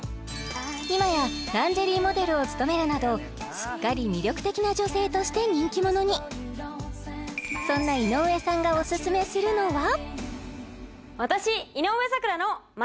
今やランジェリーモデルを務めるなどすっかり魅力的な女性として人気者にそんな井上さんがおすすめするのは？